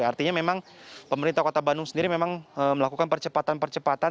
artinya memang pemerintah kota bandung sendiri memang melakukan percepatan percepatan